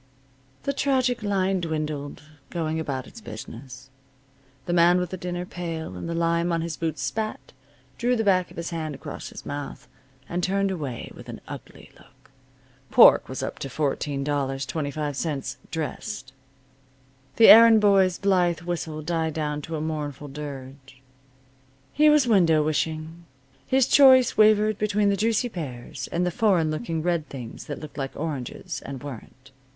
The tragic line dwindled, going about its business. The man with the dinner pail and the lime on his boots spat, drew the back of his hand across his mouth, and turned away with an ugly look. (Pork was up to $14.25, dressed.) The errand boy's blithe whistle died down to a mournful dirge. He was window wishing. His choice wavered between the juicy pears, and the foreign looking red things that looked like oranges, and weren't.